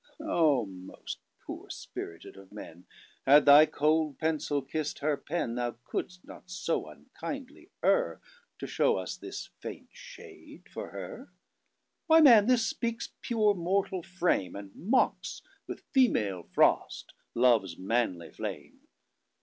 O most poor spirited of men! Had thy cold Pencil kist her PenThou couldst not so unkindly errTo show us This faint shade for Her.Why man, this speakes pure mortall frame; And mockes with female Frost love's manly flame.